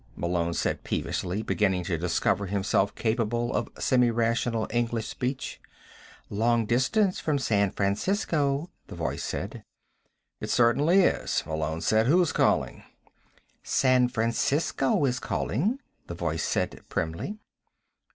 Malone said peevishly, beginning to discover himself capable of semirational English speech. "Long distance from San Francisco," the voice said. "It certainly is," Malone said. "Who's calling?" "San Francisco is calling," the voice said primly.